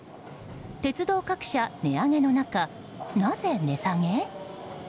鉄道各社、値上げの中なぜ値下げ？